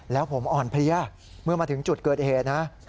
แล้วผมอ่อนเพลียเมื่อมาถึงจุดเกิดเหตุนะ